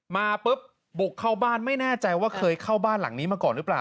มาปุ๊บบุกเข้าบ้านไม่แน่ใจว่าเคยเข้าบ้านหลังนี้มาก่อนหรือเปล่า